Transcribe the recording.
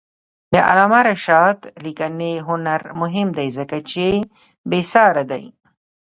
د علامه رشاد لیکنی هنر مهم دی ځکه چې بېسارې دی.